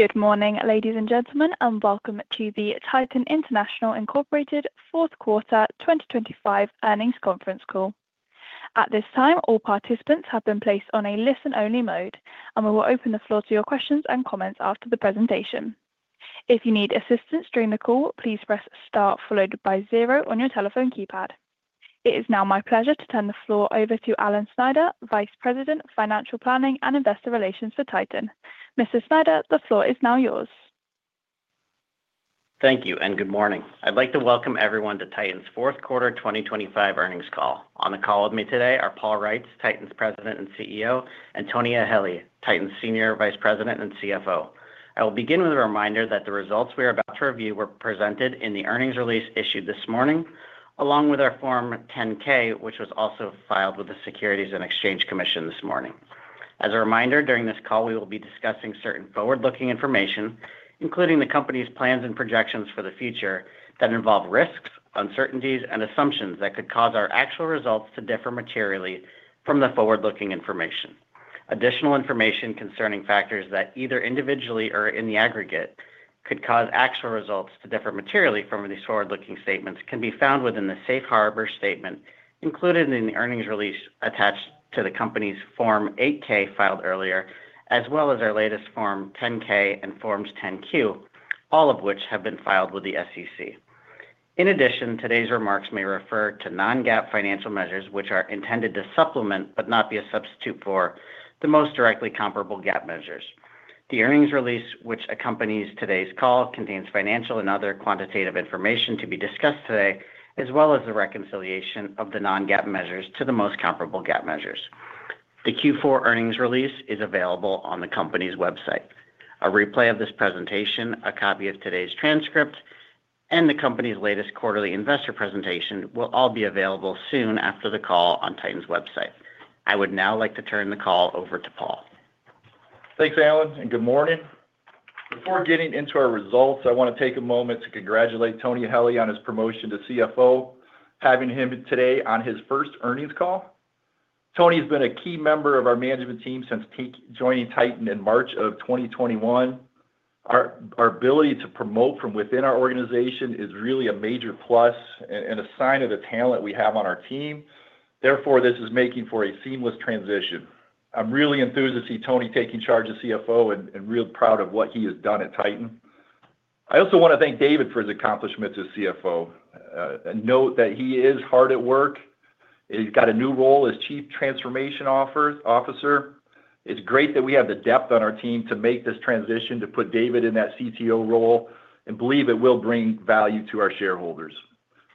Good morning, ladies and gentlemen, and welcome to the Titan International, Inc. Fourth Quarter 2025 Earnings Conference Call. At this time, all participants have been placed on a listen-only mode, and we will open the floor to your questions and comments after the presentation. If you need assistance during the call, please press star followed by zero on your telephone keypad. It is now my pleasure to turn the floor over to Alan Snyder, Vice President of Financial Planning and Investor Relations for Titan. Mr. Snyder, the floor is now yours. Thank you. Good morning. I'd like to welcome everyone to Titan's fourth quarter 2025 earnings call. On the call with me today are Paul Reitz, Titan's President and CEO, and Tony Eheli, Titan's Senior Vice President and CFO. I will begin with a reminder that the results we are about to review were presented in the earnings release issued this morning, along with our Form 10-K, which was also filed with the Securities and Exchange Commission this morning. As a reminder, during this call, we will be discussing certain forward-looking information, including the company's plans and projections for the future that involve risks, uncertainties, and assumptions that could cause our actual results to differ materially from the forward-looking information. Additional information concerning factors that either individually or in the aggregate could cause actual results to differ materially from these forward-looking statements can be found within the safe harbor statement included in the earnings release attached to the company's Form 8-K filed earlier, as well as our latest Form 10-K and Forms 10-Q, all of which have been filed with the SEC. Today's remarks may refer to non-GAAP financial measures, which are intended to supplement, but not be a substitute for, the most directly comparable GAAP measures. The earnings release, which accompanies today's call, contains financial and other quantitative information to be discussed today, as well as the reconciliation of the non-GAAP measures to the most comparable GAAP measures. The Q4 earnings release is available on the company's website. A replay of this presentation, a copy of today's transcript, and the company's latest quarterly investor presentation will all be available soon after the call on Titan's website. I would now like to turn the call over to Paul. Thanks, Alan, and good morning. Before getting into our results, I want to take a moment to congratulate Tony Eheli on his promotion to CFO, having him today on his first earnings call. Tony has been a key member of our management team since joining Titan in March of 2021. Our ability to promote from within our organization is really a major plus and a sign of the talent we have on our team. Therefore, this is making for a seamless transition. I'm really enthusiastic Tony taking charge of CFO and real proud of what he has done at Titan. I also want to thank David for his accomplishments as CFO and note that he is hard at work. He's got a new role as Chief Transformation Officer. It's great that we have the depth on our team to make this transition, to put David in that CTO role, and believe it will bring value to our shareholders.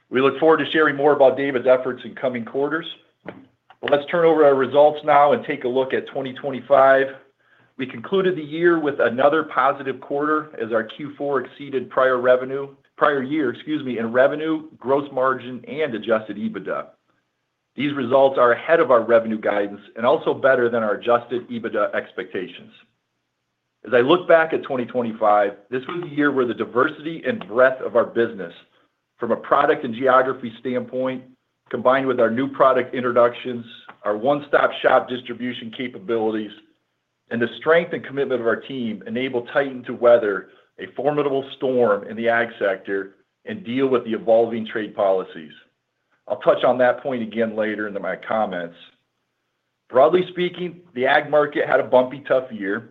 We look forward to sharing more about David's efforts in coming quarters. Let's turn over our results now and take a look at 2025. We concluded the year with another positive quarter as our Q4 exceeded prior year, excuse me, in revenue, gross margin, and adjusted EBITDA. These results are ahead of our revenue guidance and also better than our adjusted EBITDA expectations. As I look back at 2025, this was a year where the diversity and breadth of our business from a product and geography standpoint, combined with our new product introductions, our one-stop-shop distribution capabilities, and the strength and commitment of our team, enabled Titan to weather a formidable storm in the ag sector and deal with the evolving trade policies. I'll touch on that point again later in my comments. Broadly speaking, the ag market had a bumpy, tough year.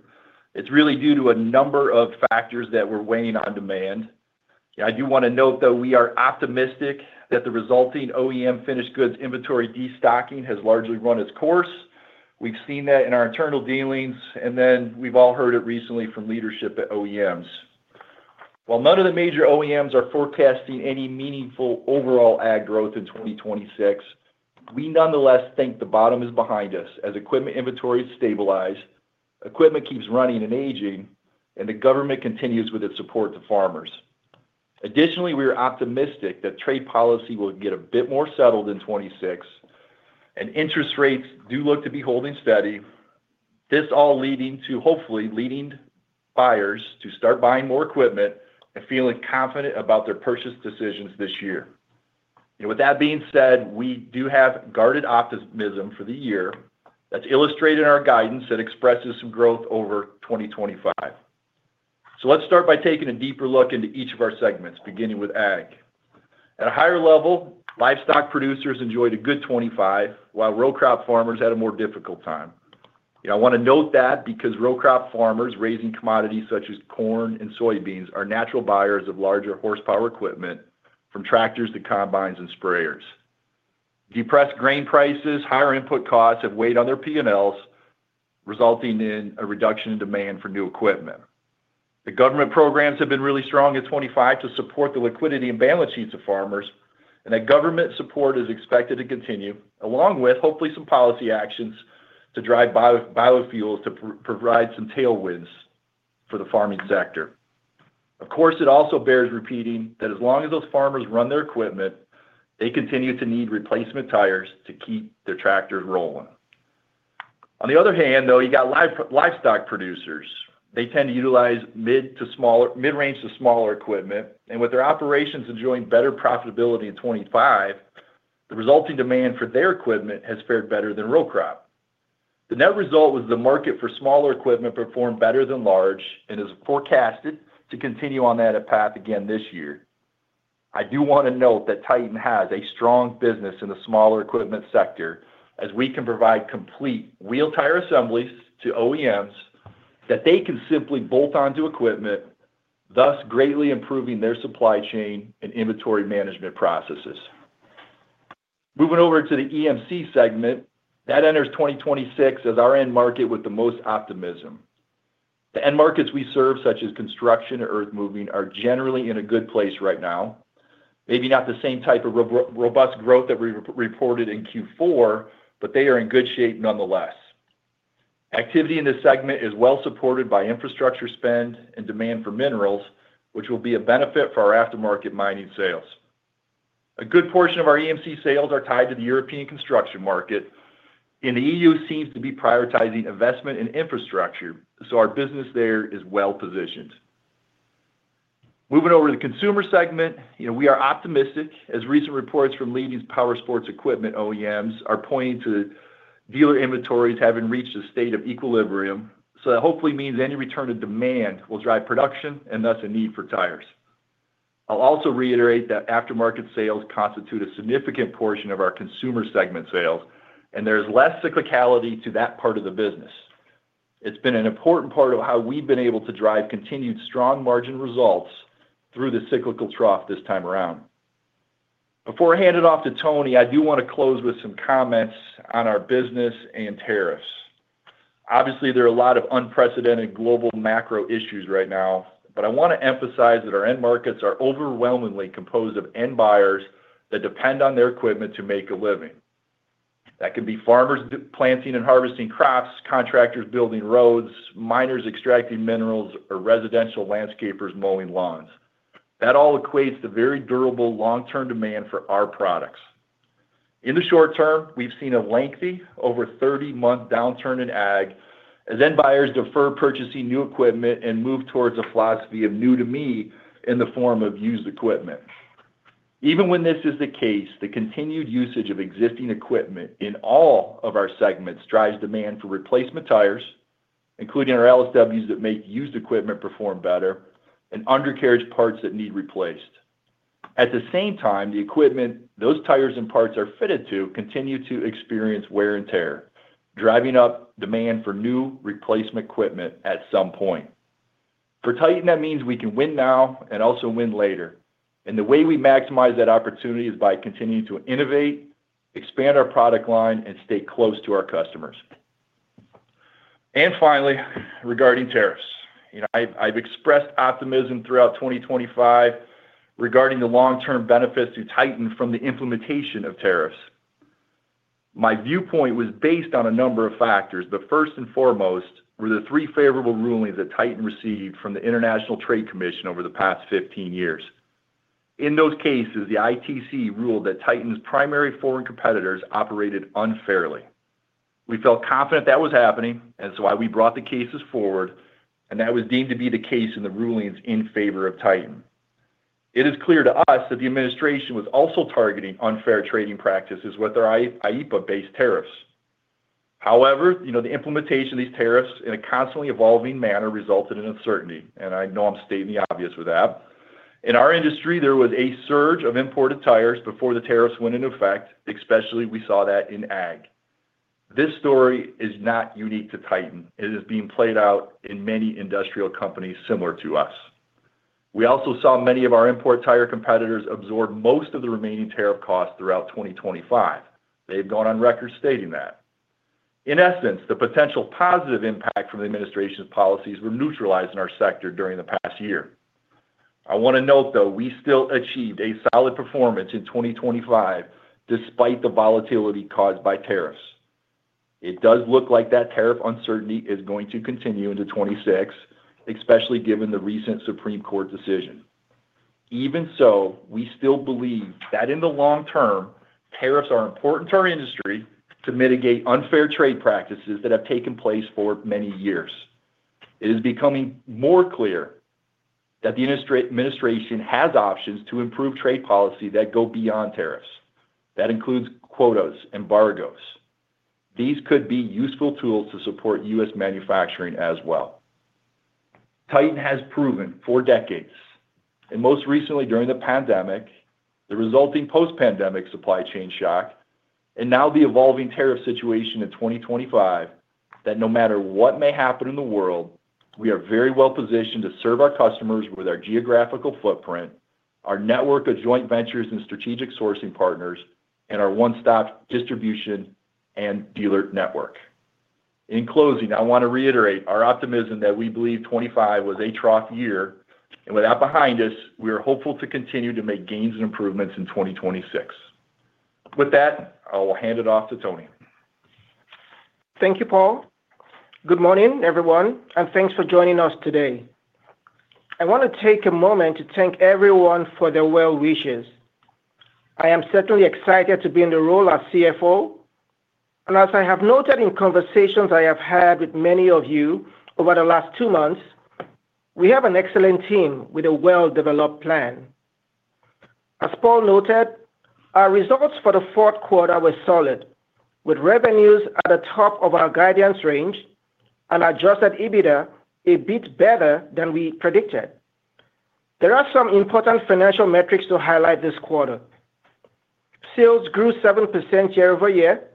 It's really due to a number of factors that were weighing on demand. I do want to note, though, we are optimistic that the resulting OEM finished goods inventory destocking has largely run its course. We've seen that in our internal dealings, and then we've all heard it recently from leadership at OEMs. While none of the major OEMs are forecasting any meaningful overall ag growth in 2026, we nonetheless think the bottom is behind us as equipment inventories stabilize, equipment keeps running and aging, and the government continues with its support to farmers. We are optimistic that trade policy will get a bit more settled in 2026, and interest rates do look to be holding steady. This all leading to, hopefully, leading buyers to start buying more equipment and feeling confident about their purchase decisions this year. With that being said, we do have guarded optimism for the year. That's illustrated in our guidance that expresses some growth over 2025. Let's start by taking a deeper look into each of our segments, beginning with ag. At a higher level, livestock producers enjoyed a good 2025, while row crop farmers had a more difficult time. I want to note that because row crop farmers raising commodities such as corn and soybeans are natural buyers of larger horsepower equipment, from tractors to combines and sprayers. Depressed grain prices, higher input costs have weighed on their P&Ls, resulting in a reduction in demand for new equipment. The government programs have been really strong at 25 to support the liquidity and balance sheets of farmers, and that government support is expected to continue, along with hopefully some policy actions to drive biofuels, to provide some tailwinds for the farming sector. Of course, it also bears repeating that as long as those farmers run their equipment, they continue to need replacement tires to keep their tractors rolling. On the other hand, though, you got livestock producers. They tend to utilize mid-range to smaller equipment. With their operations enjoying better profitability in 25-... The resulting demand for their equipment has fared better than row crop. The net result was the market for smaller equipment performed better than large. Is forecasted to continue on that path again this year. I do want to note that Titan has a strong business in the smaller equipment sector, as we can provide complete wheel tire assemblies to OEMs, that they can simply bolt onto equipment, thus greatly improving their supply chain and inventory management processes. Moving over to the EMC segment, that enters 2026 as our end market with the most optimism. The end markets we serve, such as construction or earthmoving, are generally in a good place right now. Maybe not the same type of robust growth that we reported in Q4, but they are in good shape nonetheless. Activity in this segment is well supported by infrastructure spend and demand for minerals, which will be a benefit for our aftermarket mining sales. A good portion of our EMC sales are tied to the European construction market, and the EU seems to be prioritizing investment in infrastructure, so our business there is well-positioned. Moving over to the consumer segment, you know, we are optimistic as recent reports from leading power sports equipment OEMs are pointing to dealer inventories having reached a state of equilibrium. That hopefully means any return to demand will drive production and thus a need for tires. I'll also reiterate that aftermarket sales constitute a significant portion of our consumer segment sales, and there's less cyclicality to that part of the business. It's been an important part of how we've been able to drive continued strong margin results through the cyclical trough this time around. Before I hand it off to Tony, I do want to close with some comments on our business and tariffs. There are a lot of unprecedented global macro issues right now, but I want to emphasize that our end markets are overwhelmingly composed of end buyers that depend on their equipment to make a living. That could be farmers planting and harvesting crops, contractors building roads, miners extracting minerals, or residential landscapers mowing lawns. That all equates to very durable, long-term demand for our products. In the short term, we've seen a lengthy, over 30-month downturn in ag, as end buyers defer purchasing new equipment and move towards a philosophy of new to me in the form of used equipment. Even when this is the case, the continued usage of existing equipment in all of our segments drives demand for replacement tires, including our LSWs that make used equipment perform better and undercarriage parts that need replaced. At the same time, the equipment, those tires and parts are fitted to continue to experience wear and tear, driving up demand for new replacement equipment at some point. For Titan, that means we can win now and also win later, the way we maximize that opportunity is by continuing to innovate, expand our product line, and stay close to our customers. Finally, regarding tariffs. You know, I've expressed optimism throughout 2025 regarding the long-term benefits to Titan from the implementation of tariffs. My viewpoint was based on a number of factors. First and foremost, were the 3 favorable rulings that Titan received from the International Trade Commission over the past 15 years. In those cases, the ITC ruled that Titan's primary foreign competitors operated unfairly. We felt confident that was happening. Why we brought the cases forward, and that was deemed to be the case in the rulings in favor of Titan. It is clear to us that the administration was also targeting unfair trading practices with their IEEPA-based tariffs. You know, the implementation of these tariffs in a constantly evolving manner resulted in uncertainty. I know I'm stating the obvious with that. In our industry, there was a surge of imported tires before the tariffs went into effect, especially, we saw that in ag. This story is not unique to Titan. It is being played out in many industrial companies similar to us. We also saw many of our import tire competitors absorb most of the remaining tariff costs throughout 2025. They've gone on record stating that. In essence, the potential positive impact from the administration's policies were neutralized in our sector during the past year. I want to note, though, we still achieved a solid performance in 2025, despite the volatility caused by tariffs. It does look like that tariff uncertainty is going to continue into 2026, especially given the recent Supreme Court decision. Even so, we still believe that in the long term, tariffs are important to our industry to mitigate unfair trade practices that have taken place for many years. It is becoming more clear that the administration has options to improve trade policy that go beyond tariffs. That includes quotas, embargoes. These could be useful tools to support U.S. manufacturing as well. Titan has proven for decades, and most recently during the pandemic, the resulting post-pandemic supply chain shock, and now the evolving tariff situation in 2025, that no matter what may happen in the world, we are very well positioned to serve our customers with our geographical footprint, our network of joint ventures and strategic sourcing partners, and our one-stop distribution and dealer network. In closing, I want to reiterate our optimism that we believe 2025 was a trough year, and with that behind us, we are hopeful to continue to make gains and improvements in 2026. With that, I will hand it off to Tony. Thank you, Paul. Good morning, everyone, and thanks for joining us today. I want to take a moment to thank everyone for their well wishes. I am certainly excited to be in the role of CFO. As I have noted in conversations I have had with many of you over the last 2 months, we have an excellent team with a well-developed plan. As Paul noted, our results for the fourth quarter were solid, with revenues at the top of our guidance range and adjusted EBITDA a bit better than we predicted. There are some important financial metrics to highlight this quarter. Sales grew 7% year-over-year.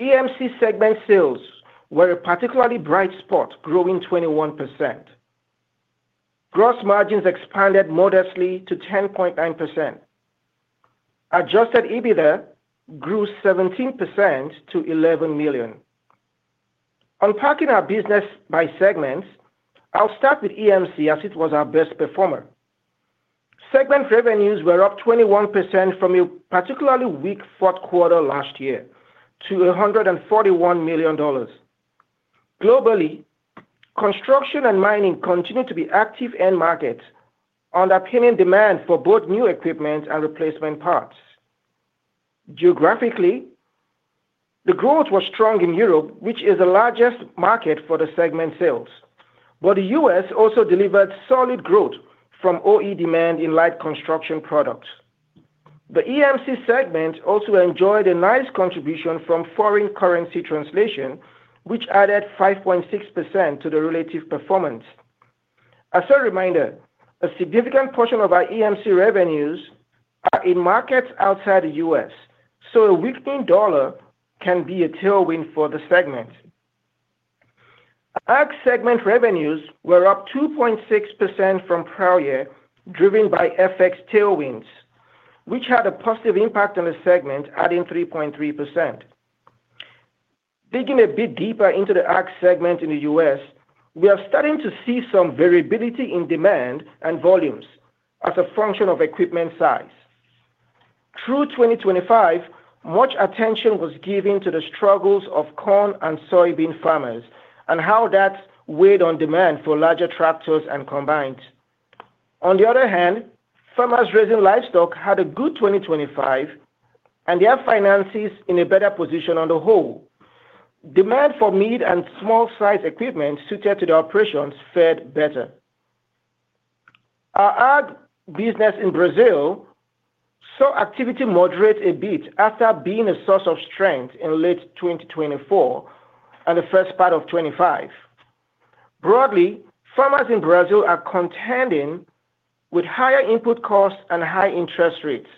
EMC segment sales were a particularly bright spot, growing 21%. Gross margins expanded modestly to 10.9%. Adjusted EBITDA grew 17% to $11 million. Unpacking our business by segments, I'll start with EMC as it was our best performer. Segment revenues were up 21% from a particularly weak fourth quarter last year to $141 million. Globally, construction and mining continued to be active end markets, underpinning demand for both new equipment and replacement parts. Geographically, the growth was strong in Europe, which is the largest market for the segment sales. The US also delivered solid growth from OE demand in light construction products. The EMC segment also enjoyed a nice contribution from foreign currency translation, which added 5.6% to the relative performance. As a reminder, a significant portion of our EMC revenues are in markets outside the US, so a weakening dollar can be a tailwind for the segment. Ag segment revenues were up 2.6% from prior year, driven by FX tailwinds, which had a positive impact on the segment, adding 3.3%. Digging a bit deeper into the Ag segment in the U.S., we are starting to see some variability in demand and volumes as a function of equipment size. Through 2025, much attention was given to the struggles of corn and soybean farmers and how that weighed on demand for larger tractors and combines. Farmers raising livestock had a good 2025, and their finances in a better position on the whole. Demand for meat and small-sized equipment suited to the operations fared better. Our Ag business in Brazil saw activity moderate a bit after being a source of strength in late 2024 and the first part of 2025. Broadly, farmers in Brazil are contending with higher input costs and high interest rates,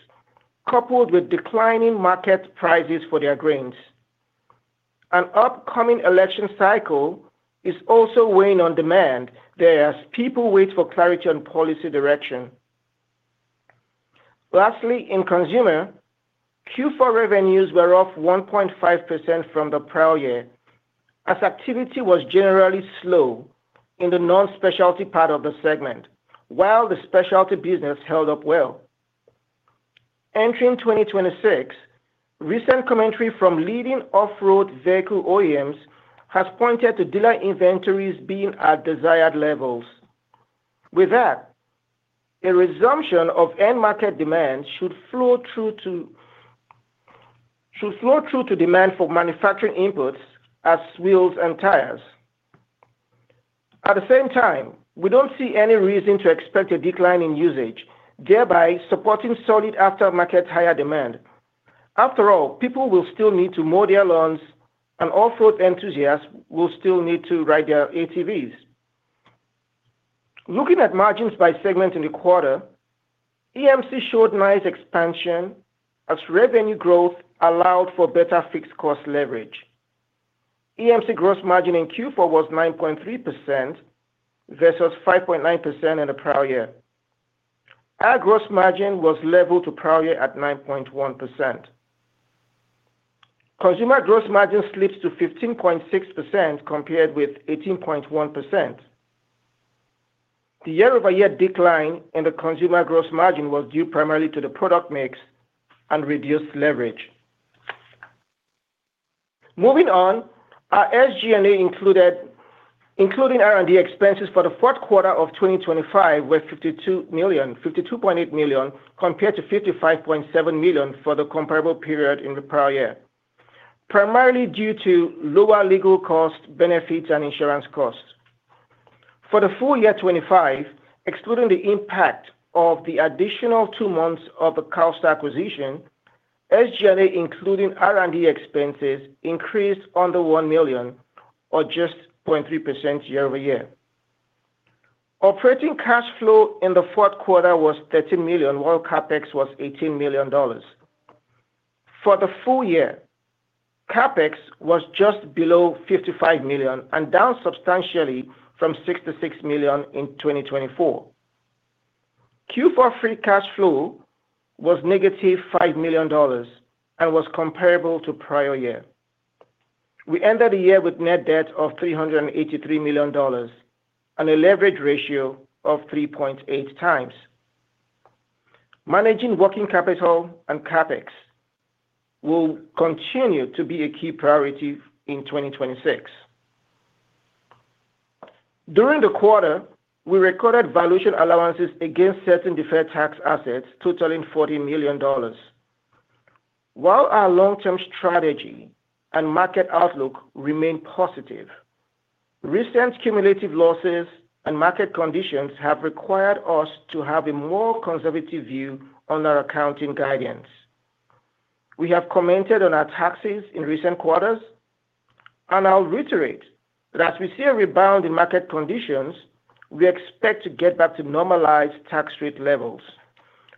coupled with declining market prices for their grains. An upcoming election cycle is also weighing on demand there as people wait for clarity on policy direction. Lastly, in consumer, Q4 revenues were off 1.5% from the prior year, as activity was generally slow in the non-specialty part of the segment, while the specialty business held up well. Entering 2026, recent commentary from leading off-road vehicle OEMs has pointed to dealer inventories being at desired levels. With that, a resumption of end market demand should flow through to demand for manufacturing inputs as wheels and tires. At the same time, we don't see any reason to expect a decline in usage, thereby supporting solid aftermarket higher demand. After all, people will still need to mow their lawns, and off-road enthusiasts will still need to ride their ATVs. Looking at margins by segment in the quarter, EMC showed nice expansion as revenue growth allowed for better fixed cost leverage. EMC gross margin in Q4 was 9.3% versus 5.9% in the prior year. Our gross margin was level to prior year at 9.1%. Consumer gross margin slipped to 15.6%, compared with 18.1%. The year-over-year decline in the consumer gross margin was due primarily to the product mix and reduced leverage. Moving on, our SG&A including R&D expenses for the fourth quarter of 2025 were $52 million, $52.8 million, compared to $55.7 million for the comparable period in the prior year, primarily due to lower legal costs, benefits, and insurance costs. For the full year 2025, excluding the impact of the additional two months of the Carlstar acquisition, SG&A, including R&D expenses, increased under $1 million or just 0.3% year-over-year. Operating cash flow in the fourth quarter was $13 million, while CapEx was $18 million. For the full year, CapEx was just below $55 million and down substantially from $66 million in 2024. Q4 free cash flow was negative $5 million and was comparable to prior year. We ended the year with net debt of $383 million and a leverage ratio of 3.8 times. Managing working capital and CapEx will continue to be a key priority in 2026. During the quarter, we recorded valuation allowances against certain deferred tax assets totaling $40 million. While our long-term strategy and market outlook remain positive, recent cumulative losses and market conditions have required us to have a more conservative view on our accounting guidance. We have commented on our taxes in recent quarters, I'll reiterate that as we see a rebound in market conditions, we expect to get back to normalized tax rate levels.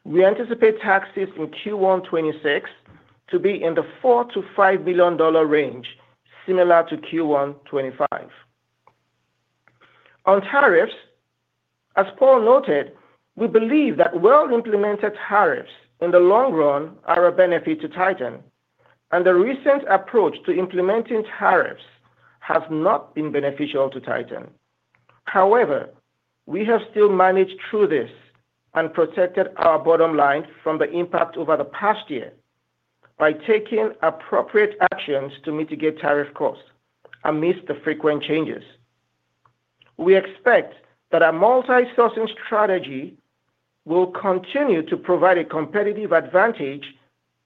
We anticipate taxes in Q1 2026 to be in the $4 billion-$5 billion range, similar to Q1 2025. On tariffs, as Paul noted, we believe that well-implemented tariffs in the long run are a benefit to Titan, and the recent approach to implementing tariffs has not been beneficial to Titan. However, we have still managed through this and protected our bottom line from the impact over the past year by taking appropriate actions to mitigate tariff costs amidst the frequent changes. We expect that our multi-sourcing strategy will continue to provide a competitive advantage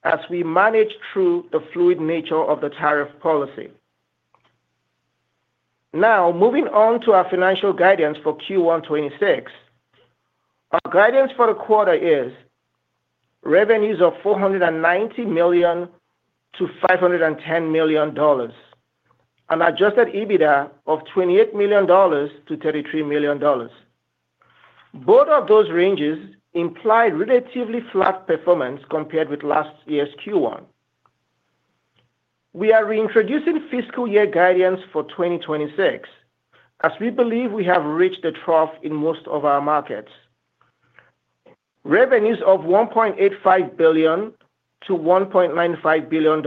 as we manage through the fluid nature of the tariff policy. Moving on to our financial guidance for Q1 2026. Our guidance for the quarter is, revenues of $490 million-$510 million, an adjusted EBITDA of $28 million-$33 million. Both of those ranges imply relatively flat performance compared with last year's Q1. We are reintroducing fiscal year guidance for 2026, as we believe we have reached a trough in most of our markets. Revenues of $1.85 billion-$1.95 billion,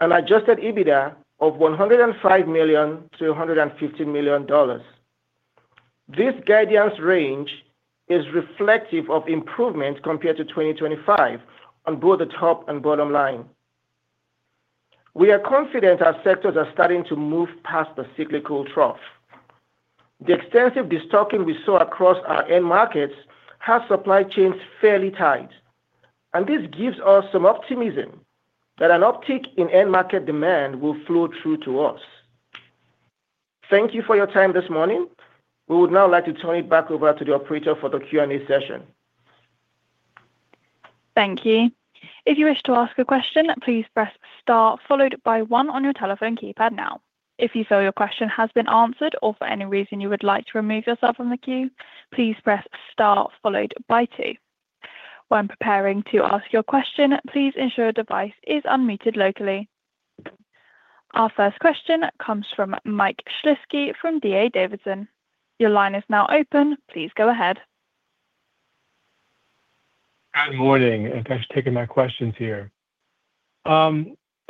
an adjusted EBITDA of $105 million-$150 million. This guidance range is reflective of improvement compared to 2025 on both the top and bottom line. We are confident our sectors are starting to move past the cyclical trough. The extensive destocking we saw across our end markets have supply chains fairly tight, and this gives us some optimism that an uptick in end market demand will flow through to us. Thank you for your time this morning. We would now like to turn it back over to the operator for the Q&A session. Thank you. If you wish to ask a question, please press star followed by one on your telephone keypad now. If you feel your question has been answered or for any reason you would like to remove yourself from the queue, please press star followed by two. When preparing to ask your question, please ensure your device is unmuted locally. Our first question comes from Mike Shlisky from D.A. Davidson. Your line is now open. Please go ahead. Good morning, and thanks for taking my questions here.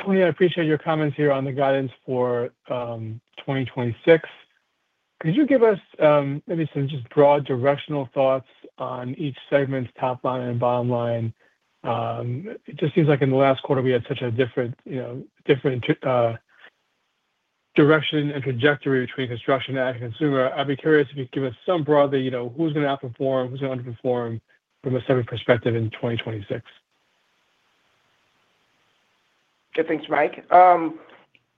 Tony, I appreciate your comments here on the guidance for 2026. Could you give us maybe some just broad directional thoughts on each segment's top line and bottom line? It just seems like in the last quarter, we had such a different, you know, different direction and trajectory between construction and consumer. I'd be curious if you'd give us some broadly, who's gonna outperform, who's gonna underperform from a segment perspective in 2026. Good. Thanks, Mike.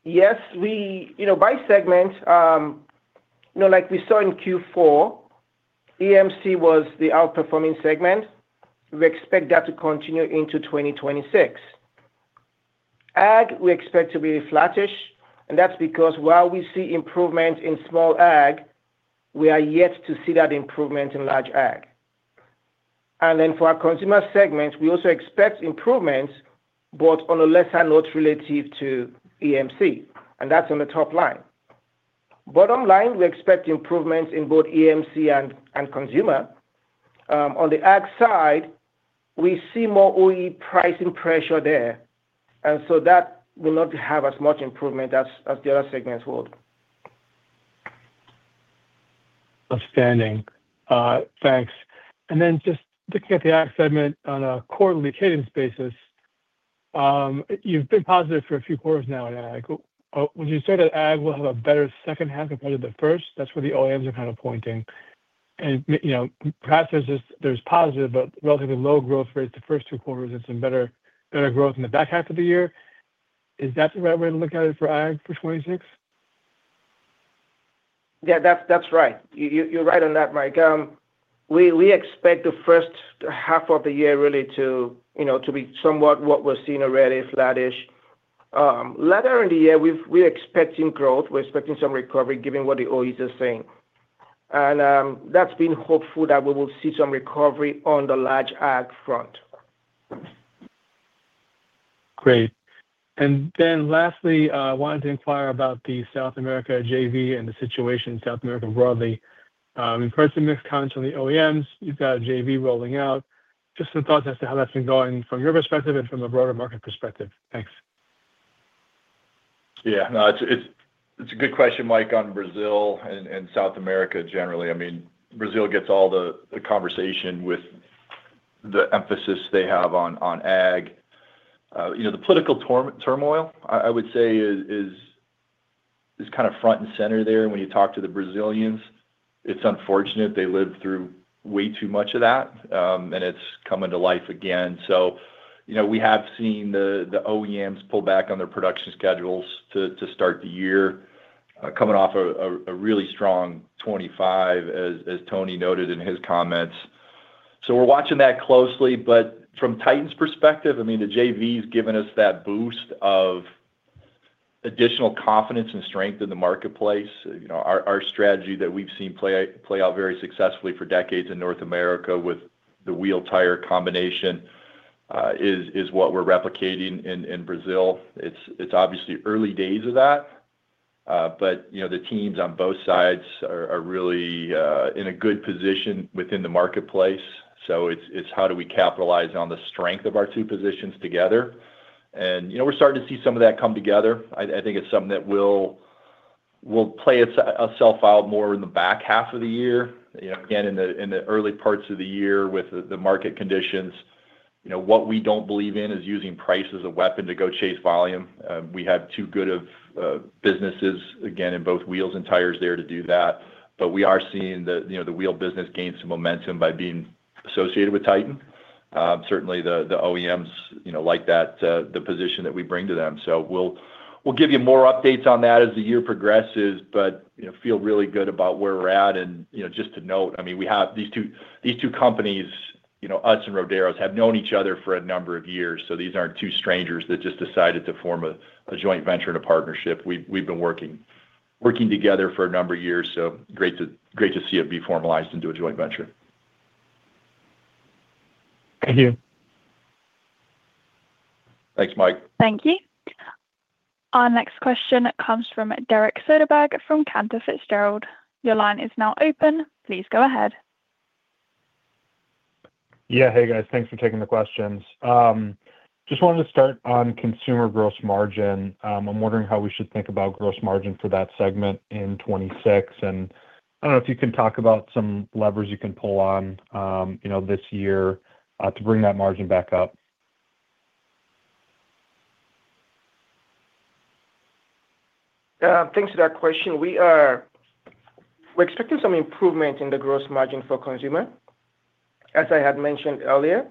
Yes, you know, by segment, you know, like we saw in Q4, EMC was the outperforming segment. We expect that to continue into 2026. Ag, we expect to be flattish, and that's because while we see improvement in small ag, we are yet to see that improvement in large ag. Then for our consumer segment, we also expect improvements, but on a lesser note relative to EMC, and that's on the top line. Bottom line, we expect improvements in both EMC and consumer. On the ag side, we see more OE pricing pressure there, so that will not have as much improvement as the other segments would. Outstanding. Thanks. Just looking at the ag segment on a quarterly cadence basis, you've been positive for a few quarters now in ag. Would you say that ag will have a better second half compared to the first? That's where the OEMs are kind of pointing. You know, perhaps there's positive but relatively low growth rates the first two quarters and some better growth in the back half of the year. Is that the right way to look at it for ag for 2026? Yeah, that's right. You're right on that, Mike. We expect the first half of the year really to, you know, to be somewhat what we're seeing already, flattish. Later in the year, we're expecting growth, we're expecting some recovery given what the OEs are saying. That's been hopeful that we will see some recovery on the large ag front. Great. Lastly, I wanted to inquire about the South America JV and the situation in South America broadly. We've heard some mixed comments on the OEMs. You've got a JV rolling out. Just some thoughts as to how that's been going from your perspective and from a broader market perspective. Thanks. Yeah. No, it's a good question, Mike, on Brazil and South America generally. I mean, Brazil gets all the conversation.... the emphasis they have on ag. You know, the political turmoil, I would say is kind of front and center there when you talk to the Brazilians. It's unfortunate they lived through way too much of that, and it's coming to life again. You know, we have seen the OEMs pull back on their production schedules to start the year, coming off a really strong 25, as Tony noted in his comments. We're watching that closely, but from Titan's perspective, I mean, the JV's given us that boost of additional confidence and strength in the marketplace. You know, our strategy that we've seen play out very successfully for decades in North America with the wheel tire combination, is what we're replicating in Brazil. It's obviously early days of that, but, you know, the teams on both sides are really in a good position within the marketplace. It's how do we capitalize on the strength of our two positions together? You know, we're starting to see some of that come together. I think it's something that will play itself out more in the back half of the year. You know, again, in the early parts of the year with the market conditions, you know, what we don't believe in is using price as a weapon to go chase volume. We have too good of businesses, again, in both wheels and tires there to do that, but we are seeing the, you know, the wheel business gain some momentum by being associated with Titan. Certainly the OEMs, you know, like that, the position that we bring to them. We'll give you more updates on that as the year progresses, but, you know, feel really good about where we're at. Just to note, I mean, we have these two companies, you know, us and Rodar, have known each other for a number of years, so these aren't two strangers that just decided to form a joint venture and a partnership. We've been working together for a number of years, so great to see it be formalized into a joint venture. Thank you. Thanks, Mike. Thank you. Our next question comes from Derek Soderberg, from Cantor Fitzgerald. Your line is now open, please go ahead. Yeah. Hey, guys. Thanks for taking the questions. Just wanted to start on consumer gross margin. I'm wondering how we should think about gross margin for that segment in 2026. I don't know if you can talk about some levers you can pull on, you know, this year, to bring that margin back up. Thanks for that question. We're expecting some improvement in the gross margin for consumer, as I had mentioned earlier.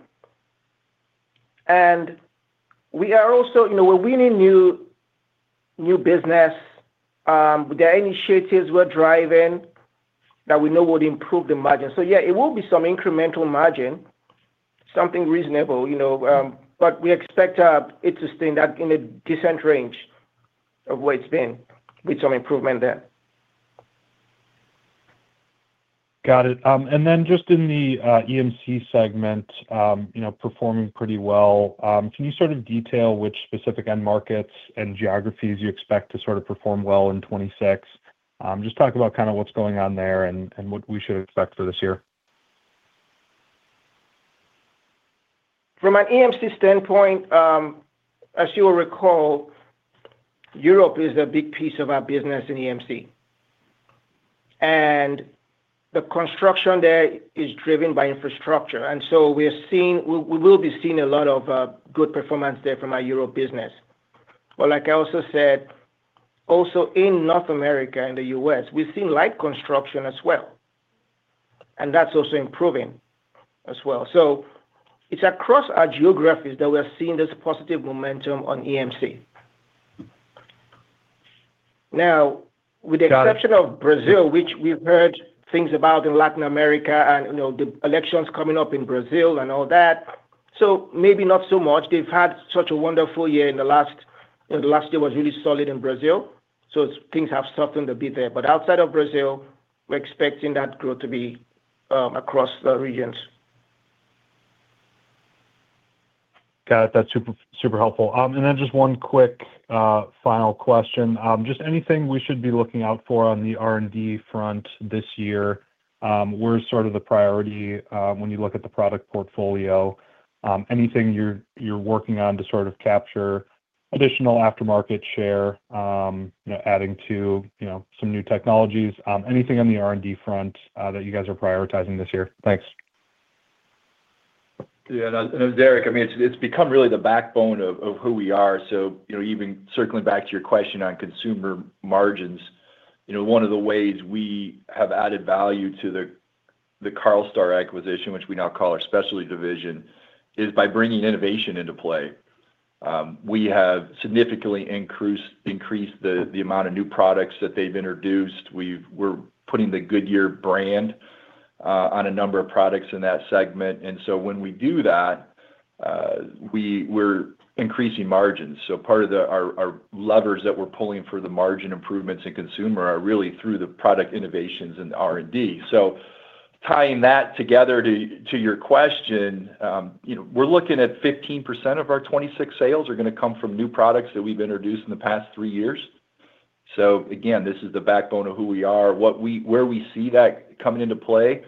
We are also... You know, when we need new business, the initiatives we're driving, that we know would improve the margin. Yeah, it will be some incremental margin, something reasonable, you know, but we expect it to stay in that, in a decent range of where it's been, with some improvement there. Got it. Just in the EMC segment, you know, performing pretty well. Can you sort of detail which specific end markets and geographies you expect to sort of perform well in 2026? Just talk about kind of what's going on there and what we should expect for this year. From an EMC standpoint, as you will recall, Europe is a big piece of our business in EMC, the construction there is driven by infrastructure, we will be seeing a lot of good performance there from our Europe business. Like I also said, also in North America and the U.S., we've seen light construction as well, that's also improving as well. It's across our geographies that we're seeing this positive momentum on EMC. With the exception- Got it.... of Brazil, which we've heard things about in Latin America and, you know, the elections coming up in Brazil and all that. Maybe not so much. They've had such a wonderful year in the last year was really solid in Brazil. Things have softened a bit there. Outside of Brazil, we're expecting that growth to be across the regions. Got it. That's super helpful. Just one quick final question. Just anything we should be looking out for on the R&D front this year? Where's sort of the priority when you look at the product portfolio? Anything you're working on to sort of capture additional aftermarket share, you know, adding to, you know, some new technologies? Anything on the R&D front that you guys are prioritizing this year? Thanks. Yeah, Derek, I mean, it's become really the backbone of who we are. You know, even circling back to your question on consumer margins, you know, one of the ways we have added value to the Carlstar acquisition, which we now call our specialty division, is by bringing innovation into play. We have significantly increased the amount of new products that they've introduced. We're putting the Goodyear brand on a number of products in that segment, when we do that, we're increasing margins. Part of the, our levers that we're pulling for the margin improvements in consumer are really through the product innovations and R&D. Tying that together to your question, you know, we're looking at 15% of our 2026 sales are gonna come from new products that we've introduced in the past three years. Again, this is the backbone of who we are. Where we see that coming into play,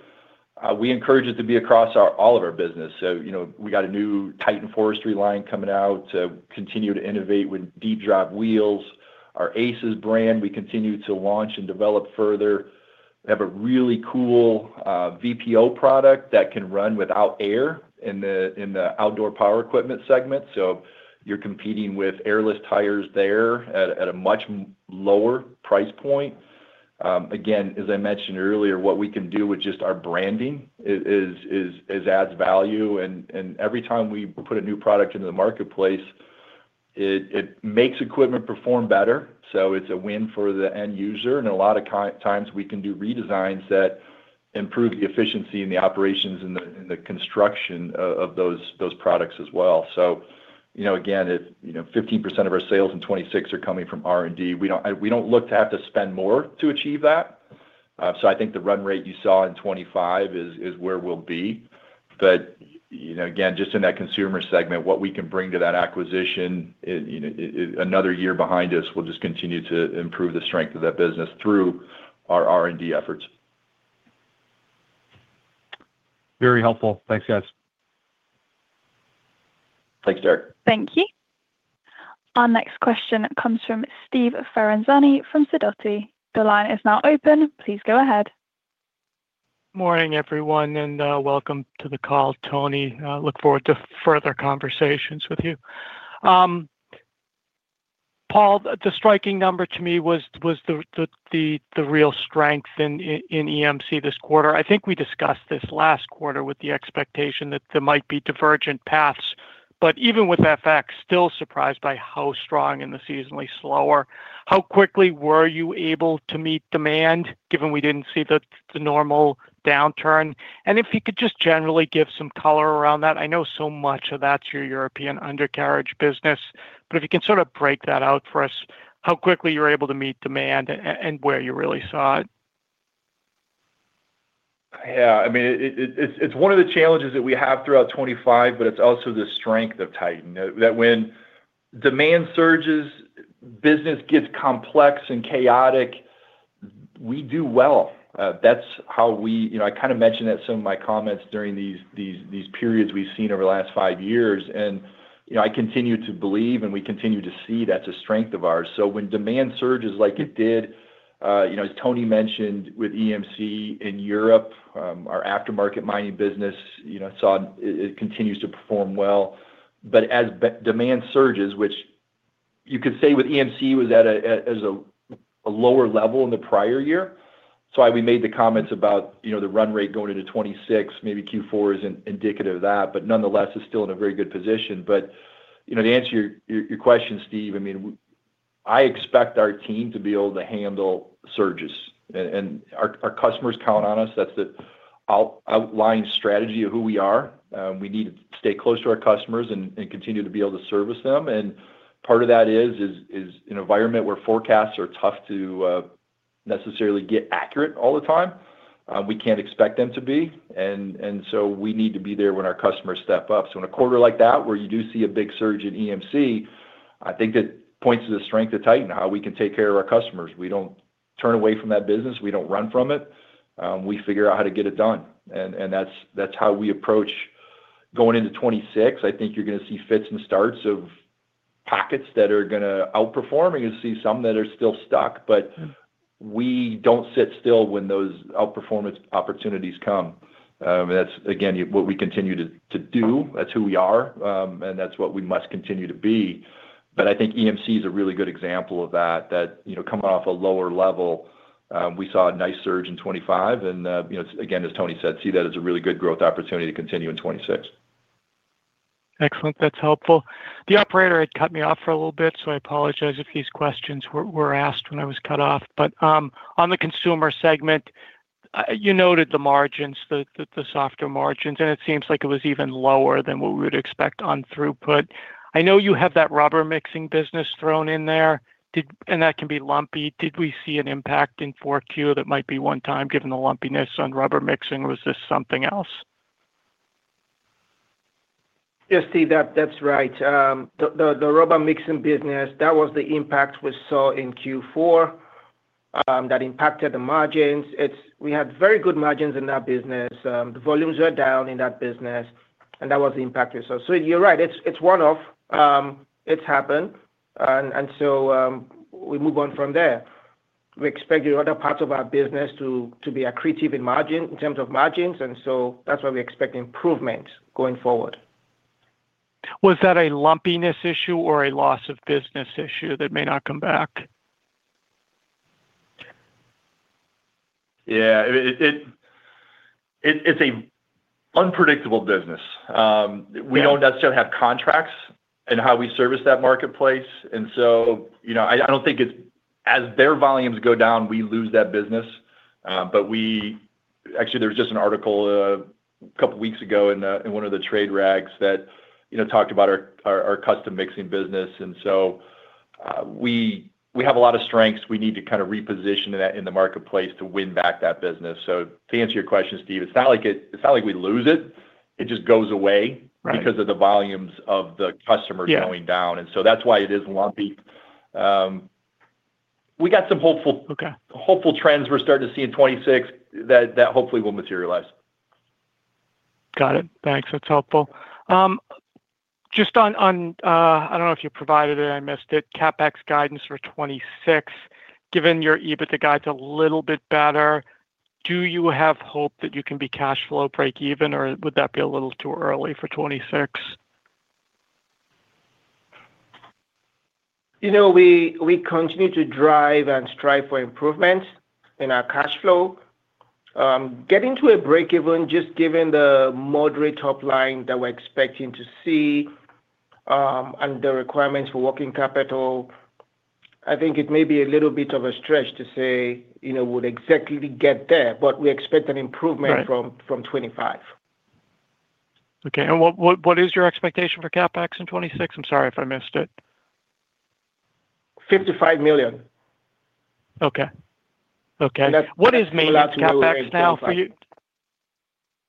we encourage it to be across all of our business. You know, we got a new Titan forestry line coming out to continue to innovate with deep drop wheels. Our ACES brand, we continue to launch and develop further. Have a really cool VPO product that can run without air in the, in the outdoor power equipment segment. You're competing with airless tires there at a much lower price point. Again, as I mentioned earlier, what we can do with just our branding is adds value. Every time we put a new product into the marketplace, it makes equipment perform better. It's a win for the end user, and a lot of times we can do redesigns that improve the efficiency and the operations in the construction of those products as well. You know, again, if, you know, 15% of our sales in 2026 are coming from R&D, we don't look to have to spend more to achieve that. I think the run rate you saw in 2025 is where we'll be. You know, again, just in that consumer segment, what we can bring to that acquisition, it, you know, another year behind us will just continue to improve the strength of that business through our R&D efforts. Very helpful. Thanks, guys. Thanks, Derek. Thank you. Our next question comes from Steve Ferazani from Sidoti. The line is now open. Please go ahead. Morning, everyone, and welcome to the call. Tony, I look forward to further conversations with you. Paul, the striking number to me was the real strength in EMC this quarter. I think we discussed this last quarter with the expectation that there might be divergent paths, but even with that fact, still surprised by how strong and the seasonally slower. How quickly were you able to meet demand, given we didn't see the normal downturn? If you could just generally give some color around that. I know so much of that's your European undercarriage business. If you can sort of break that out for us, how quickly you're able to meet demand and where you really saw it. Yeah, I mean, it's one of the challenges that we have throughout 25, but it's also the strength of Titan. That when demand surges, business gets complex and chaotic, we do well. That's how we, you know, I kind of mentioned that some of my comments during these periods we've seen over the last 5 years. You know, I continue to believe, and we continue to see that's a strength of ours. When demand surges like it did, you know, as Tony mentioned, with EMC in Europe, our aftermarket mining business, you know, continues to perform well. As demand surges, which you could say with EMC, was at a lower level in the prior year. We made the comments about, you know, the run rate going into 26, maybe Q4 isn't indicative of that, but nonetheless, it's still in a very good position. You know, to answer your question, Steve, I mean, I expect our team to be able to handle surges, and our customers count on us. That's the out-outline strategy of who we are. We need to stay close to our customers and continue to be able to service them. Part of that is an environment where forecasts are tough to necessarily get accurate all the time. We can't expect them to be, and so we need to be there when our customers step up. In a quarter like that, where you do see a big surge in EMC, I think that points to the strength of Titan, how we can take care of our customers. We don't turn away from that business, we don't run from it. We figure out how to get it done. And that's how we approach going into 2026. I think you're gonna see fits and starts of pockets that are gonna outperform, you're gonna see some that are still stuck. We don't sit still when those outperformance opportunities come. That's again, what we continue to do. That's who we are, and that's what we must continue to be. I think EMC is a really good example of that, you know, coming off a lower level, we saw a nice surge in 2025 and, you know, again, as Tony said, see that as a really good growth opportunity to continue in 2026. Excellent. That's helpful. The operator had cut me off for a little bit, so I apologize if these questions were asked when I was cut off. On the consumer segment, you noted the softer margins, and it seems like it was even lower than what we would expect on throughput. I know you have that rubber mixing business thrown in there, and that can be lumpy. Did we see an impact in Q4 that might be one time, given the lumpiness on rubber mixing, or was this something else? Yeah, Steve, that's right. The rubber mixing business, that was the impact we saw in Q4, that impacted the margins. We had very good margins in that business. The volumes were down in that business, and that was the impact we saw. You're right, it's one-off. It's happened, and so, we move on from there. We expect the other parts of our business to be accretive in margin, in terms of margins, that's why we expect improvement going forward. Was that a lumpiness issue or a loss of business issue that may not come back? Yeah, it's a unpredictable business. We don't necessarily have contracts in how we service that marketplace, you know, I don't think it's as their volumes go down, we lose that business. But actually, there was just an article a couple of weeks ago in the, in one of the trade rags that, you know, talked about our custom mixing business, we have a lot of strengths. We need to kind of reposition that in the marketplace to win back that business. To answer your question, Steve, it's not like it's not like we lose it just goes away. Right. because of the volumes of the customers Yeah going down, and so that's why it is lumpy. We got some. Okay. Hopeful trends we're starting to see in 2026 that hopefully will materialize. Got it. Thanks, that's helpful. Just on I don't know if you provided it, I missed it, CapEx guidance for 2026. Given your EBITDA guide's a little bit better, do you have hope that you can be cash flow break even, or would that be a little too early for 2026? You know, we continue to drive and strive for improvement in our cash flow. Getting to a break even, just given the moderate top line that we're expecting to see, and the requirements for working capital, I think it may be a little bit of a stretch to say, you know, would exactly get there, but we expect an improvement. Right. From $25. Okay, what is your expectation for CapEx in 2026? I'm sorry if I missed it. $55 million. Okay. Okay. That's- What is maintenance CapEx now for you?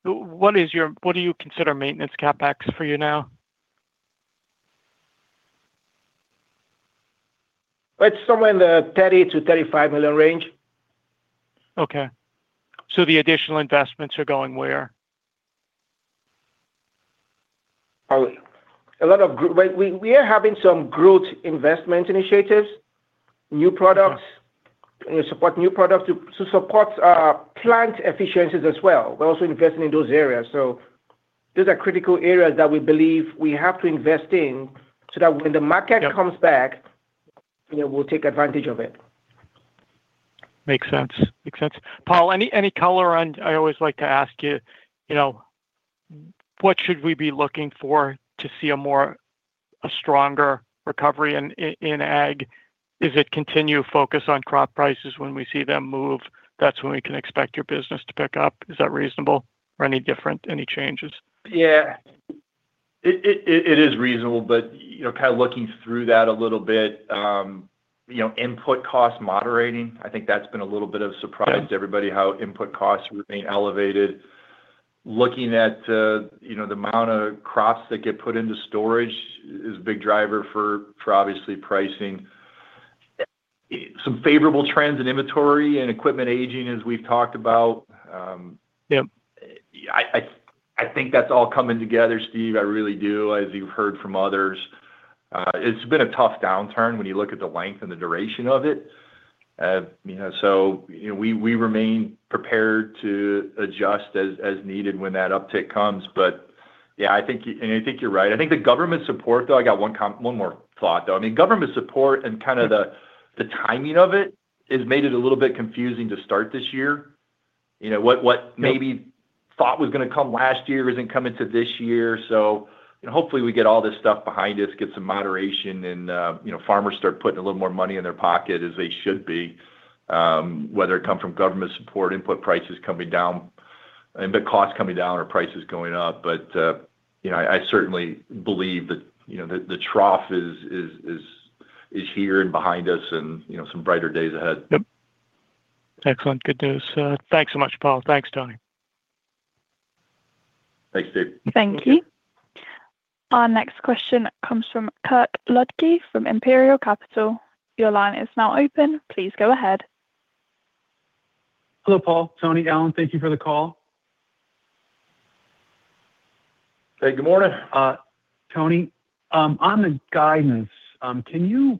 What do you consider maintenance CapEx for you now? It's somewhere in the $30 million-$35 million range. Okay. the additional investments are going where? Right, we are having some growth investment initiatives, new products. Yeah. support new products to support our plant efficiencies as well. We're also investing in those areas, so those are critical areas that we believe we have to invest in, so that when the market comes back... Yeah We'll take advantage of it. Makes sense. Makes sense. Paul, any color on, I always like to ask you know, what should we be looking for to see a stronger recovery in ag? Is it continued focus on crop prices when we see them move, that's when we can expect your business to pick up? Is that reasonable or any different, any changes? Yeah. It is reasonable, but, you know, kind of looking through that a little bit, you know, input costs moderating, I think that's been a little bit of a surprise. Yeah To everybody, how input costs remain elevated. Looking at, you know, the amount of crops that get put into storage is a big driver for obviously pricing. Some favorable trends in inventory and equipment aging, as we've talked about. Yep I think that's all coming together, Steve, I really do, as you've heard from others. It's been a tough downturn when you look at the length and the duration of it. You know, we remain prepared to adjust as needed when that uptick comes. Yeah, I think, and I think you're right. I think the government support, though, I got one more thought, though. I mean, government support and kind of the timing of it, has made it a little bit confusing to start this year. You know, what maybe- Yeah ... Thought was gonna come last year, isn't coming to this year. Hopefully we get all this stuff behind us, get some moderation, and, you know, farmers start putting a little more money in their pocket, as they should be. Whether it come from government support, input prices coming down, input costs coming down or prices going up. You know, I certainly believe that, you know, the trough is here and behind us and, you know, some brighter days ahead. Yep. Excellent. Good news. Thanks so much, Paul. Thanks, Tony. Thanks, Steve. Thank you. Our next question comes from Kirk Ludtke, from Imperial Capital. Your line is now open. Please go ahead. Hello, Paul, Tony, Alan, thank you for the call. Hey, good morning. Tony, on the guidance, can you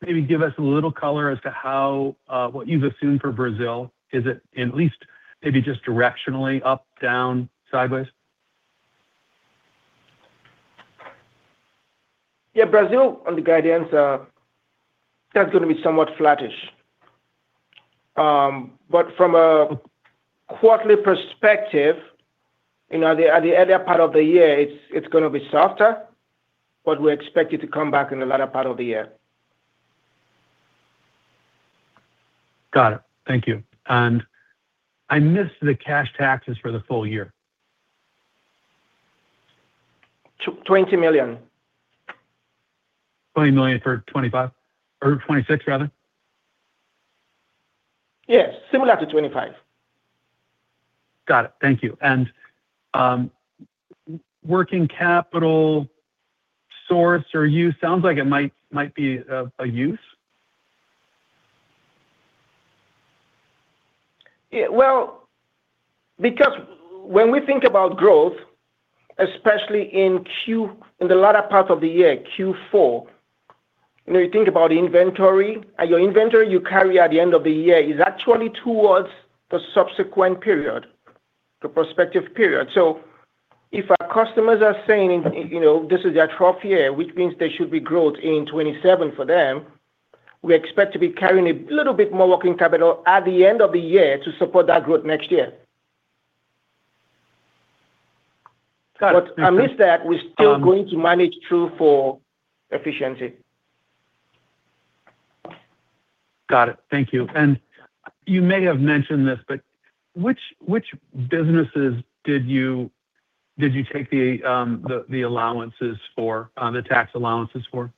maybe give us a little color as to how, what you've assumed for Brazil? Is it at least maybe just directionally up, down, sideways? Yeah, Brazil, on the guidance, that's going to be somewhat flattish. From a quarterly perspective, you know, at the earlier part of the year, it's going to be softer, but we expect it to come back in the latter part of the year. Got it. Thank you. I missed the cash taxes for the full year. $20 million. $20 million for 25, or 26 rather? Yes, similar to 25. Got it. Thank you. working capital source or use, sounds like it might be a use? Yeah, well, because when we think about growth, especially in the latter part of the year, Q4, you know, you think about inventory, and your inventory you carry at the end of the year is actually towards the subsequent period, the prospective period. If our customers are saying, you know, this is their trough year, which means there should be growth in 27 for them, we expect to be carrying a little bit more working capital at the end of the year to support that growth next year. Got it. Amidst that, we're still going to manage through for efficiency. Got it. Thank you. You may have mentioned this, but which businesses did you take on the tax allowances for?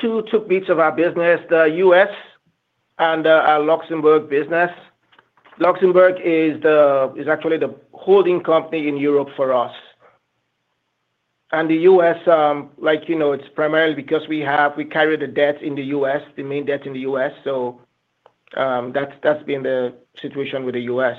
Two took bits of our business, the U.S. and our Luxembourg business. Luxembourg is actually the holding company in Europe for us. The U.S., like, you know, it's primarily because we carry the debt in the U.S., the main debt in the U.S., that's been the situation with the U.S.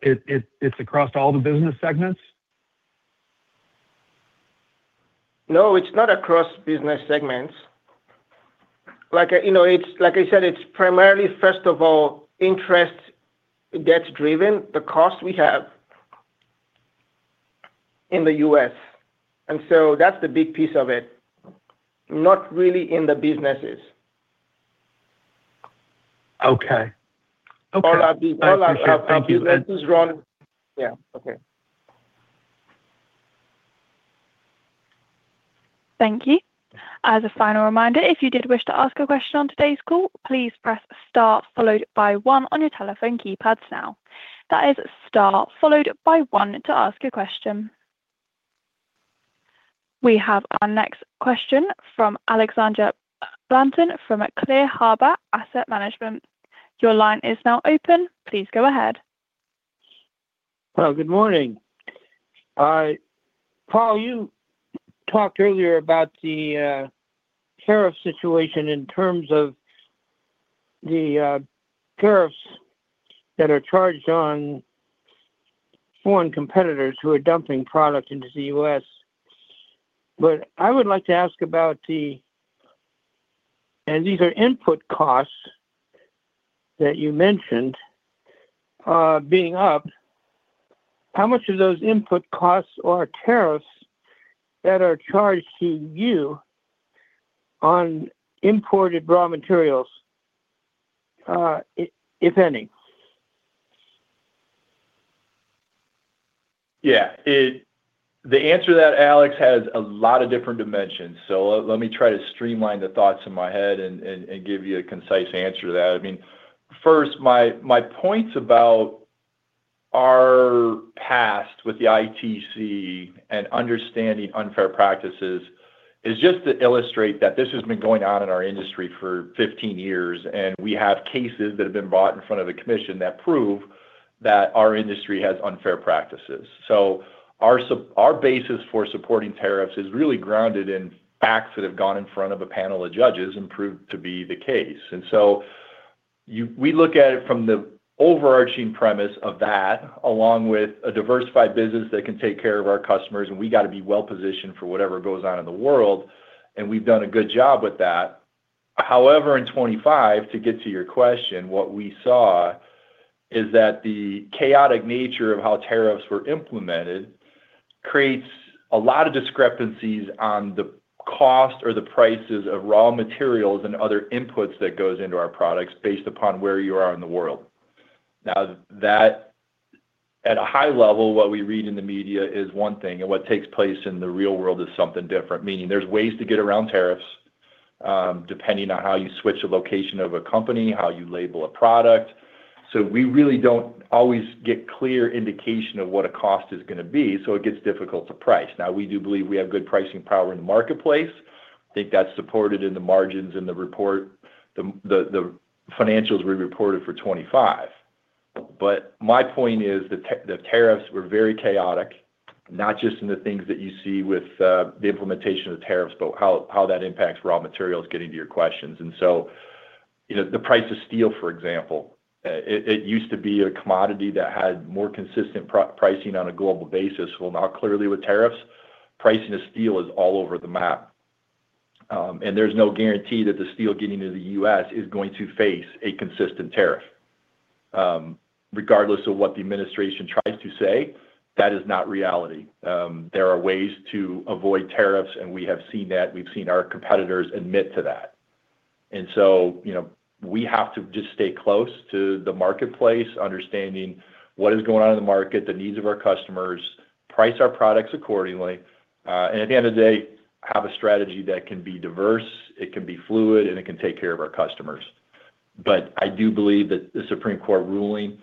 It, it's across all the business segments? No, it's not across business segments. Like, you know, like I said, it's primarily, first of all, interest debt-driven, the cost we have in the U.S., and so that's the big piece of it. Not really in the businesses. Okay. Okay. All our- I appreciate. Thank you. All our businesses run... Yeah. Okay. Thank you. As a final reminder, if you did wish to ask a question on today's call, please press star followed by one on your telephone keypads now. That is star followed by one to ask a question. We have our next question from Alexander Blanton from Clear Harbor Asset Management. Your line is now open. Please go ahead. Well, good morning. Paul, you talked earlier about the tariff situation in terms of the tariffs that are charged on foreign competitors who are dumping product into the U.S. I would like to ask about the... These are input costs that you mentioned being up. How much of those input costs or tariffs that are charged to you on imported raw materials, if any? Yeah, the answer to that, Alex, has a lot of different dimensions, so let me try to streamline the thoughts in my head and give you a concise answer to that. I mean, first, my points about our past with the ITC and understanding unfair practices is just to illustrate that this has been going on in our industry for 15 years, and we have cases that have been brought in front of the commission that prove that our industry has unfair practices. Our basis for supporting tariffs is really grounded in facts that have gone in front of a panel of judges and proved to be the case. We look at it from the overarching premise of that, along with a diversified business that can take care of our customers, and we got to be well positioned for whatever goes on in the world, and we've done a good job with that. In 25, to get to your question, what we saw is that the chaotic nature of how tariffs were implemented creates a lot of discrepancies on the cost or the prices of raw materials and other inputs that goes into our products based upon where you are in the world. That at a high level, what we read in the media is one thing, and what takes place in the real world is something different. Meaning there's ways to get around tariffs, depending on how you switch the location of a company, how you label a product. We really don't always get clear indication of what a cost is gonna be, so it gets difficult to price. We do believe we have good pricing power in the marketplace. I think that's supported in the margins in the report, the financials we reported for 2025. My point is the tariffs were very chaotic, not just in the things that you see with the implementation of the tariffs, but how that impacts raw materials, getting to your questions. You know, the price of steel, for example, it used to be a commodity that had more consistent pricing on a global basis. Now, clearly with tariffs, pricing of steel is all over the map, and there's no guarantee that the steel getting to the U.S. is going to face a consistent tariff. Regardless of what the administration tries to say, that is not reality. There are ways to avoid tariffs, and we have seen that. We've seen our competitors admit to that. You know, we have to just stay close to the marketplace, understanding what is going on in the market, the needs of our customers, price our products accordingly, and at the end of the day, have a strategy that can be diverse, it can be fluid, and it can take care of our customers. I do believe that the Supreme Court ruling,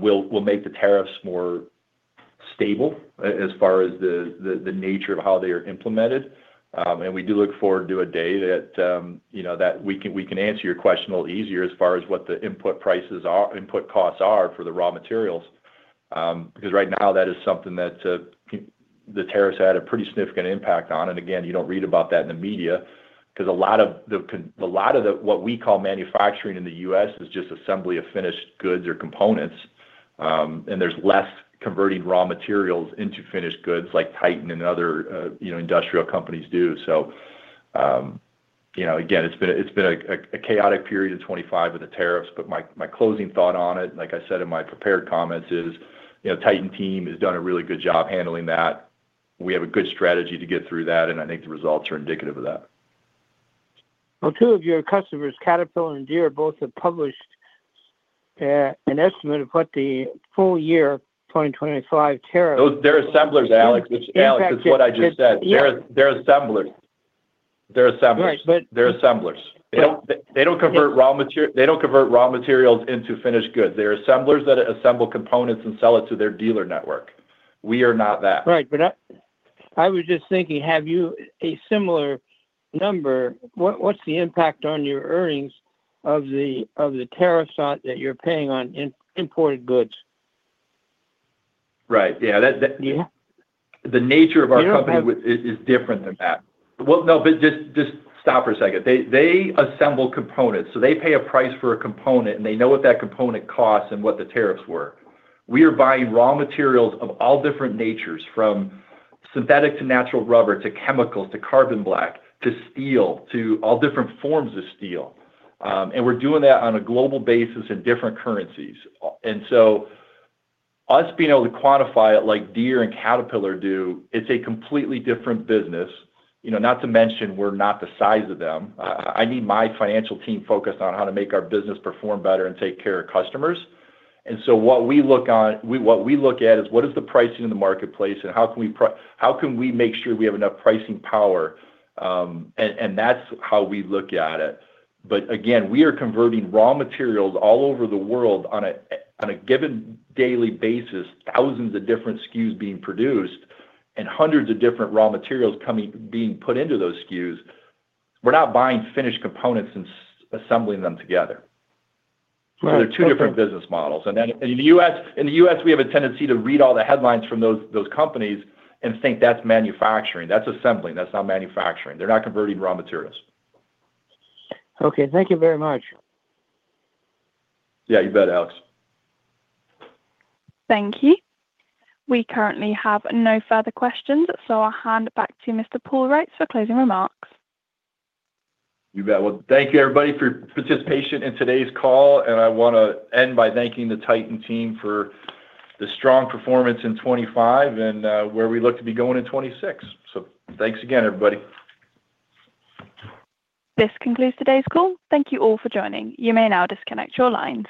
will make the tariffs more stable as far as the nature of how they are implemented. We do look forward to a day that, you know, that we can, we can answer your question a little easier as far as what the input costs are for the raw materials. Right now, that is something that the tariffs had a pretty significant impact on. Again, you don't read about that in the media because a lot of the, what we call manufacturing in the U.S., is just assembly of finished goods or components, and there's less converting raw materials into finished goods like Titan and other, you know, industrial companies do. you know, again, it's been a, it's been a chaotic period of 25 with the tariffs, but my closing thought on it, like I said in my prepared comments, is, you know, Titan team has done a really good job handling that. We have a good strategy to get through that, and I think the results are indicative of that. Well, 2 of your customers, Caterpillar and Deere, both have published, an estimate of what the full year 2025 tariff. Those, they're assemblers, Alex. Alex, it's what I just said. Yeah. They're assemblers. They're assemblers. Right, but- They're assemblers. Yeah. They don't convert raw materials into finished goods. They're assemblers that assemble components and sell it to their dealer network. We are not that. Right, I was just thinking, have you a similar number? What's the impact on your earnings of the tariffs on, that you're paying on imported goods? Right. Yeah, that. Yeah. The nature of our company is different than that. No, but just stop for a second. They assemble components, so they pay a price for a component, and they know what that component costs and what the tariffs were. We are buying raw materials of all different natures, from synthetic to natural rubber, to chemicals, to carbon black, to steel, to all different forms of steel. We're doing that on a global basis in different currencies. So us being able to quantify it like Deere and Caterpillar do, it's a completely different business. You know, not to mention, we're not the size of them. I need my financial team focused on how to make our business perform better and take care of customers. What we look at is, what is the pricing in the marketplace, and how can we make sure we have enough pricing power? That's how we look at it. Again, we are converting raw materials all over the world on a given daily basis, thousands of different SKUs being produced and hundreds of different raw materials being put into those SKUs. We're not buying finished components and assembling them together. Right. They're two different business models. In the U.S., in the U.S., we have a tendency to read all the headlines from those companies and think that's manufacturing. That's assembling, that's not manufacturing. They're not converting raw materials. Okay, thank you very much. Yeah, you bet, Alex. Thank you. We currently have no further questions, so I'll hand it back to Mr. Paul Reitz for closing remarks. You bet. Well, thank you, everybody, for your participation in today's call. I want to end by thanking the Titan team for the strong performance in 25 and, where we look to be going in 26. Thanks again, everybody. This concludes today's call. Thank you all for joining. You may now disconnect your line.